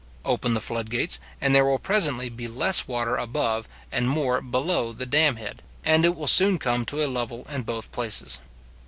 Open the flood gates, and there will presently be less water above, and more below the dam head, and it will soon come to a level in both places.